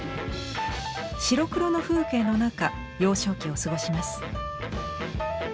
白黒の風景の中幼少期を過ごします。